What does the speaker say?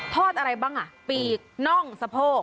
อะไรบ้างอ่ะปีกน่องสะโพก